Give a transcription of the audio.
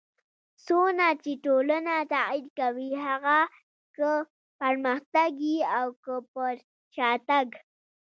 څونه چي ټولنه تغير کوي؛ هغه که پرمختګ يي او که پر شاتګ.